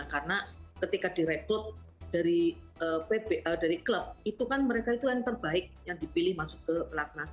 karena ketika direkrut dari klub itu kan mereka itu yang terbaik yang dipilih masuk ke pelaknas